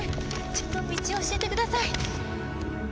ちょっと道を教えてください。